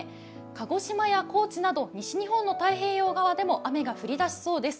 鹿児島や高知など西日本の太平洋側なども雨が降り出しそうです。